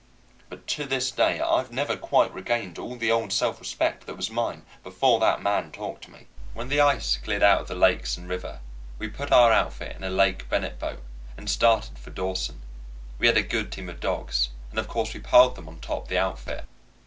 But to this day I've never quite regained all the old self respect that was mine before that man talked to me. When the ice cleared out of the lakes and river, we put our outfit in a Lake Bennet boat and started for Dawson. We had a good team of dogs, and of course we piled them on top the outfit.